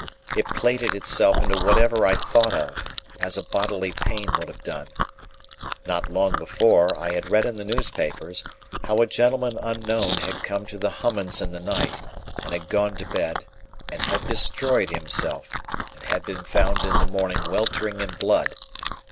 It plaited itself into whatever I thought of, as a bodily pain would have done. Not long before, I had read in the newspapers, how a gentleman unknown had come to the Hummums in the night, and had gone to bed, and had destroyed himself, and had been found in the morning weltering in blood.